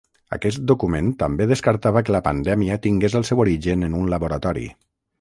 Aquest document també descartava que la pandèmia tingués el seu origen en un laboratori.